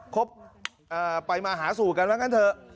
คบไปมาหาสู่กันแล้วกันเถอะ